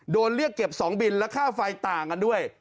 โดนเรียกเก็บ๒บินและค่าไฟต่างกันด้วย